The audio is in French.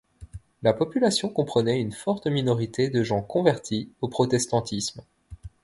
La population comprenait une forte minorité de gens convertis au protestantisme.